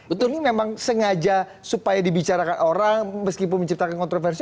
utur ini memang sengaja supaya dibicarakan orang meskipun menciptakan kontroversi